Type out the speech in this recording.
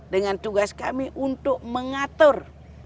dengan tugas kami untuk mengatur